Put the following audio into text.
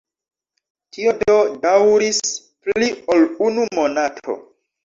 Tio do daŭris pli ol unu monato.